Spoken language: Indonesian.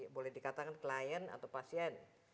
boleh dikatakan klien atau pasien